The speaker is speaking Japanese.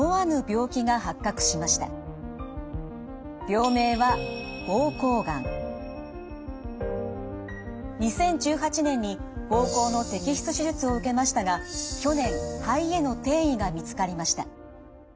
病名は２０１８年に膀胱の摘出手術を受けましたが去年肺への転移が見つかりました。